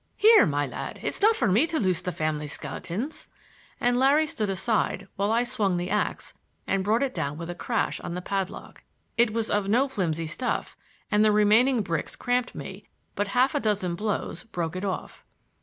Here, my lad, it's not for me to turn loose the family skeletons," —and Larry stood aside while I swung the ax and brought it down with a crash on the padlock. It was of no flimsy stuff and the remaining bricks cramped me, but half a dozen blows broke it off.